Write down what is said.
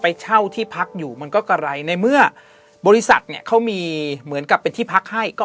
เช่าที่พักอยู่มันก็กะไรในเมื่อบริษัทเนี่ยเขามีเหมือนกับเป็นที่พักให้ก็